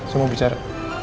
saya mau bicara